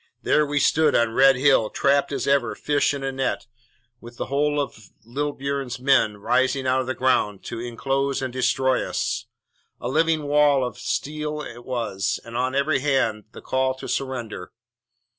There we stood on Red Hill, trapped as ever fish in a net, with the whole of Lilburne's men rising out of the ground to enclose and destroy us. A living wall of steel it was, and on every hand the call to surrender.